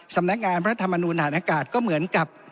สำนักงานพระธรรมนูลฐานอากาศก็เหมือนกับ